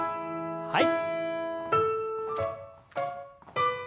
はい。